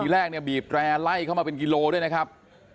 แรกเนี่ยบีบแร่ไล่เข้ามาเป็นกิโลด้วยนะครับ